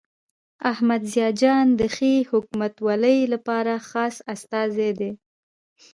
احمد ضیاء جان د ښې حکومتولۍ لپاره خاص استازی دی.